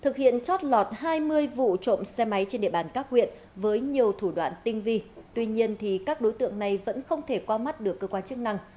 có hai mươi vụ trộm xe máy trên địa bàn các huyện với nhiều thủ đoạn tinh vi tuy nhiên các đối tượng này vẫn không thể qua mắt được cơ quan chức năng